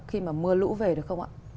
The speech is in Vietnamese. khi mà mưa lũ về được không ạ